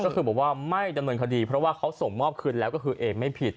ก็คือบอกว่าไม่ดำเนินคดีเพราะว่าเขาส่งมอบคืนแล้วก็คือเอกไม่ผิด